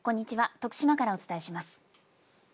徳島からお伝えします。